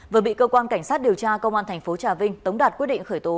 vừa bị cơ quan cảnh sát điều tra công an tp trà vinh tống đạt quyết định khởi tố